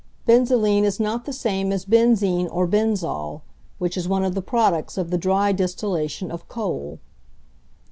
Benzoline is not the same as benzene or benzol, which is one of the products of the dry distillation of coal.